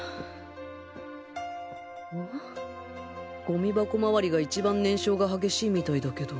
ゴミ箱周りが一番燃焼が激しいみたいだけど。